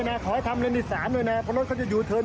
ฝากด้วยนะขอให้ทำเลนส์ที่สามด้วยนะเพราะรถเขาจะยูเทิร์น